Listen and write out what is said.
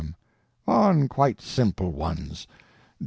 M. On quite simple ones.